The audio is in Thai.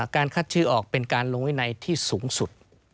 การคัดชื่อออกเป็นการลงวินัยที่สูงสุด